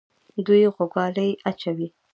دوی غوږوالۍ اچولې